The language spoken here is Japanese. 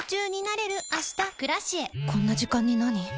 こんな時間になに？